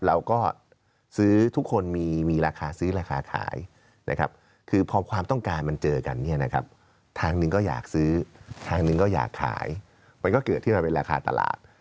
เราก็ซื้อทุกคนมีราคาซื้อราคาขายนะครับคือพอความต้องการมันเจอกันเนี่ยนะครับทางหนึ่งก็อยากซื้อทางหนึ่งก็อยากขายมันก็เกิดที่มันเป็นราคาตลาด